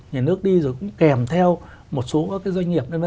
nhà nước đi rồi cũng kèm theo một số các doanh nghiệp